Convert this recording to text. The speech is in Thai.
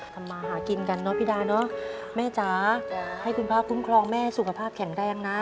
ทำมาหากินกันเนอะพี่ดาเนอะแม่จ๋าให้คุณพระคุ้มครองแม่ให้สุขภาพแข็งแรงนะ